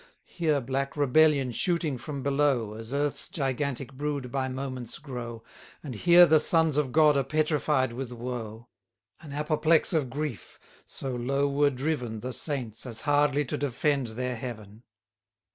Here black rebellion shooting from below (As earth's gigantic brood by moments grow) And here the sons of God are petrified with woe: An apoplex of grief: so low were driven 240 The saints, as hardly to defend their heaven.